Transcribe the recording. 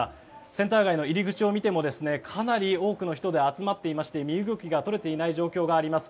センター街の入り口を見てもかなり多くの人で集まってまして身動きが取れていない状況があります。